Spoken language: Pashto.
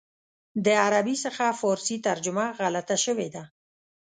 د عربي څخه فارسي ترجمه غلطه شوې ده.